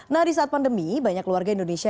nah di saat pandemi banyak keluarga indonesia